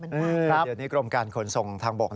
เดี๋ยวนี้กรมการขนส่งทางบก